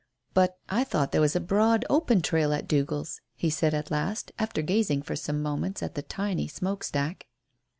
"But I thought there was a broad, open trail at Dougal's," he said, at last, after gazing for some moments at the tiny smoke stack.